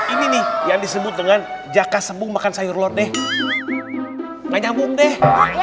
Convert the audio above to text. ini nih yang disebut dengan jaka sembung makan sayur lord deh nyambung deh